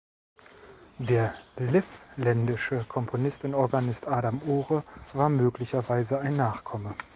Der livländische Komponist und Organist Adam Ore war möglicherweise ein Nachkomme.